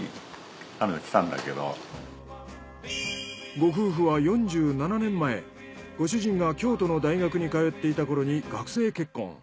ご夫婦は４７年前ご主人が京都の大学に通っていたころに学生結婚。